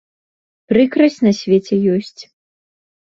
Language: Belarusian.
Прыкрасць на свеце ёсць.